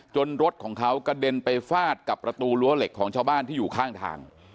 รถของเขากระเด็นไปฟาดกับประตูรั้วเหล็กของชาวบ้านที่อยู่ข้างทาง